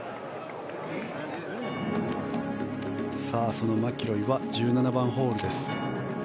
そのマキロイは１７番ホールです。